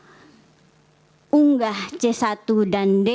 unggah c satu dan d